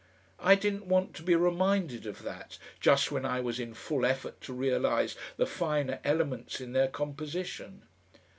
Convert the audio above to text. I didn't want to be reminded of that, just when I was in full effort to realise the finer elements in their composition.